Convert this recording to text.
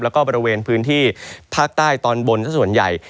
แล้วก็บริเวณพื้นที่ภาคใต้ตอนบนสักส่วนใหญ่